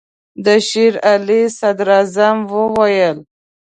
د شېر علي صدراعظم وویل.